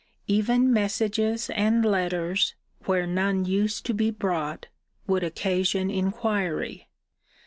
Even messages and letters, where none used to be brought, would occasion inquiry.